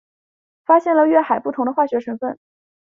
发现了与月海不同的化学成分。